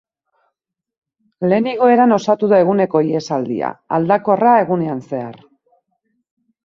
Lehen igoeran osatu da eguneko ihesaldia, aldakorra egunean zehar.